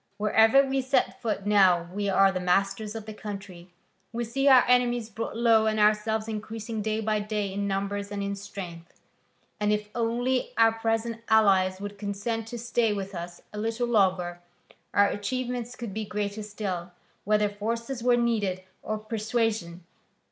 Wherever we set foot now we are the masters of the country: we see our enemies brought low and ourselves increasing day by day in numbers and in strength. And if only our present allies would consent to stay with us a little longer, our achievements could be greater still, whether force were needed or persuasion.